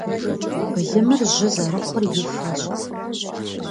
Былымыр жьы зэрыхъур и фэщ.